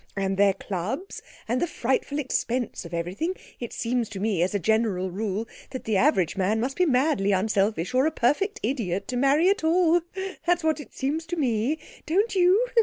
and their clubs, and the frightful expense of everything, it seems to me, as a general rule, that the average man must be madly unselfish or a perfect idiot to marry at all that's what it seems to me don't you?